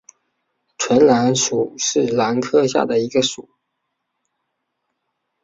唇兰属是兰科下的一个属。